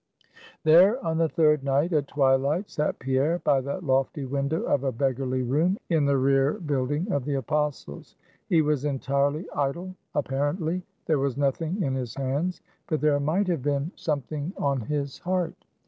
There, on the third night, at twilight, sat Pierre by that lofty window of a beggarly room in the rear building of the Apostles'. He was entirely idle, apparently; there was nothing in his hands; but there might have been something on his heart.